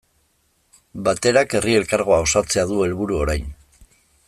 Baterak Herri Elkargoa osatzea du helburu orain.